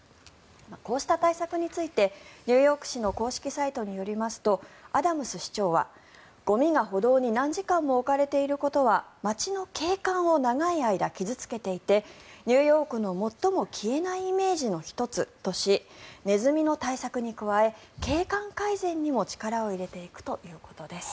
こうした対策についてニューヨーク市の公式サイトによりますとアダムス市長は、ゴミが歩道に何時間も置かれていることは街の景観を長い間傷付けていてニューヨークの最も消えないイメージの１つとしネズミの対策に加え景観改善にも力を入れていくということです。